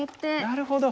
なるほど。